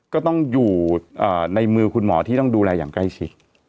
ก็ต้องอยู่ในมือคุณหมอที่ต้องดูแลอย่างใกล้ชิด